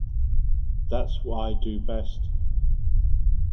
That's what I do best.